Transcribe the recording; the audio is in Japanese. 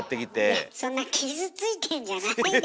いやそんな傷ついてんじゃないですよ